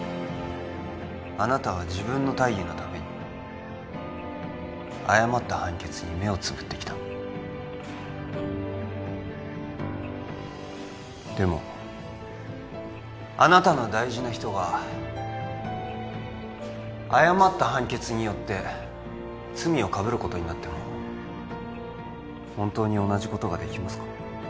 あなたは自分の大義のために誤った判決に目をつぶってきたでもあなたの大事な人が誤った判決によって罪をかぶることになっても本当に同じことができますか？